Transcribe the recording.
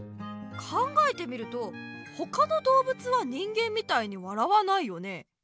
考えてみるとほかのどうぶつは人間みたいに笑わないよね。